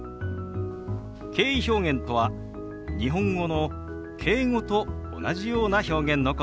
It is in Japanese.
敬意表現とは日本語の「敬語」と同じような表現のことです。